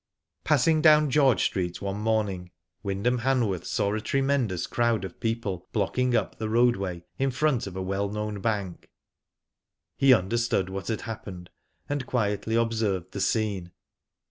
Passing down George Street one morning, Wyndham Hanworth saw a tremendous crowd of people blocking up the roadway, in front of a \vell known bank. He understood what had happened, and quietly observed the scene.